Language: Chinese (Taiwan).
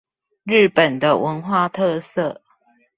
日本的文化特色